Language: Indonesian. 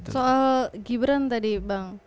soal gibran tadi bang